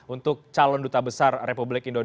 untuk calon duta besar ri